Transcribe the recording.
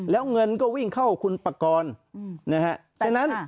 แล้วเงินก็วิ่งเข้าคุณปกรณ์